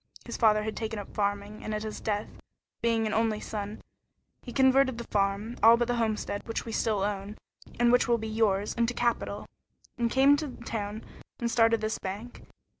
His father had taken up farming, and at his death, being an only son, he converted the farm, all but the homestead, which we still own, and which will be yours, into capital, and came to town and started this bank.